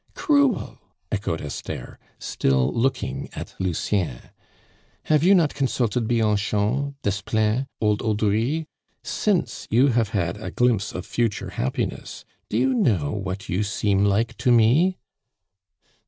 "Cruel!" echoed Esther, still looking at Lucien. "Have you not consulted Bianchon, Desplein, old Haudry? Since you have had a glimpse of future happiness, do you know what you seem like to me?"